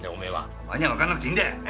お前にはわかんなくていいんだよ。